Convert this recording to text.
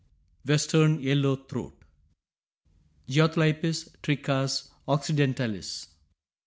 ] WESTERN YELLOW THROAT. (_Geothlypis trichas occidentalis.